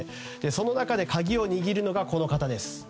その中で鍵を握るのがこの方です。